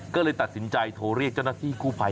ก็เลยตัดสินใจโทรเรียกเจ้าหน้าที่กู้ภัย